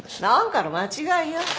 何かの間違いよ。